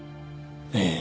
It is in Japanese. ええ。